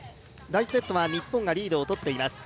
第１セットは日本がリードをとっています。